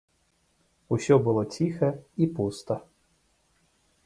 Усё было ціха і пуста.